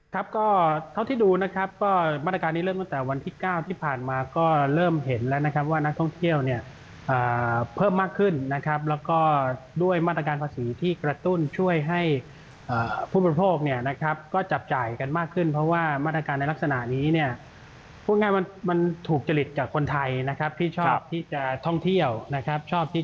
ครับก็เท่าที่ดูนะครับก็มาตรการนี้เริ่มตั้งแต่วันที่๙ที่ผ่านมาก็เริ่มเห็นแล้วนะครับว่านักท่องเที่ยวเนี่ยเพิ่มมากขึ้นนะครับแล้วก็ด้วยมาตรการภาษีที่กระตุ้นช่วยให้ผู้บริโภคเนี่ยนะครับก็จับจ่ายกันมากขึ้นเพราะว่ามาตรการในลักษณะนี้เนี่ยพูดง่ายมันถูกจริตจากคนไทยนะครับที่ชอบที่จะท่องเที่ยวนะครับชอบที่